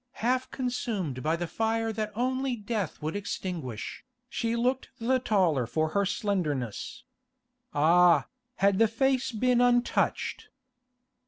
Half consumed by the fire that only death would extinguish, she looked the taller for her slenderness. Ah, had the face been untouched!